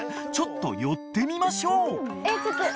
［ちょっと寄ってみましょう］